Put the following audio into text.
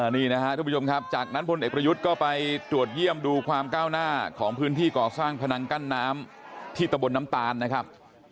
นี่นะครับทุกผู้ชมครับจากนั้นพลเอกประยุทธ์ก็ไปตรวจเยี่ยมดูความก้าวหน้าของพื้นที่ก่อสร้างพนังกั้นน้ำที่ตะบนน้ำตาลนะครับ